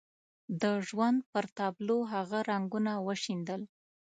د ژوند پر تابلو هغه رنګونه وشيندل.